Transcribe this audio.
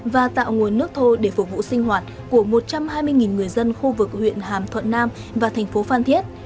và tạo nguồn nước thô để phục vụ sinh hoạt của một trăm hai mươi người dân khu vực huyện hàm thuận nam và thành phố phan thiết